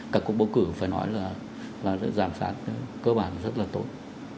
các cuộc bầu cử phải nói là giám sát cơ bản rất là tốt